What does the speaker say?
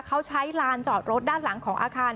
เขาใช้ลานจอดรถด้านหลังของอาคาร